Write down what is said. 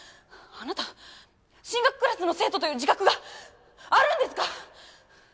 あなた進学クラスの生徒という自覚があるんですか？